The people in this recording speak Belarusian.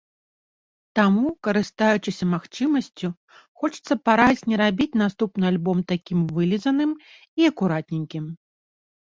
Таму, карыстаючыся магчымасцю, хочацца параіць не рабіць наступны альбом такім вылізаным і акуратненькім.